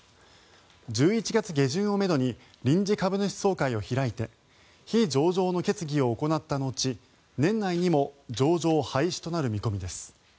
１１月下旬をめどに臨時株主総会を開いて非上場の決議を行った後年内にも上場廃止となる見込みです。